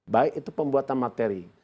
baik itu pembuatan materi